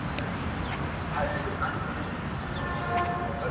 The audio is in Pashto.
چي لا پاته یو افغان وي چي ودان وي لا یو کلی -